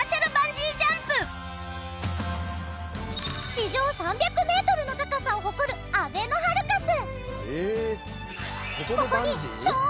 地上３００メートルの高さを誇るあべのハルカス！